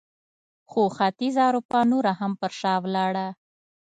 خو ختیځه اروپا نوره هم پر شا ولاړه.